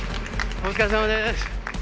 お疲れさまです。